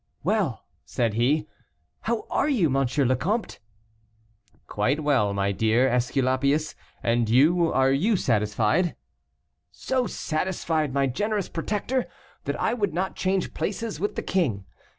"Well!" said he, "how are you, M. le Comte?" "Quite well, my dear Esculapius; and you, are you satisfied?" "So satisfied, my generous protector, that I would not change places with the king.